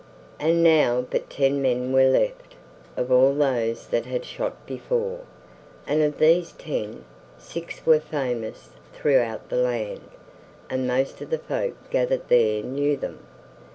And now but ten men were left of all those that had shot before, and of these ten, six were famous throughout the land, and most of the folk gathered there knew them.